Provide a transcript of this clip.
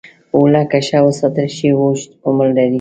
اوړه که ښه وساتل شي، اوږد عمر لري